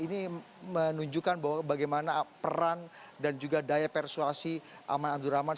ini menunjukkan bahwa bagaimana peran dan juga daya persuasi aman abdurrahman